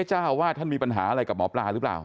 เจ้าอาวาสท่านมีปัญหาอะไรกับหมอปลาหรือเปล่า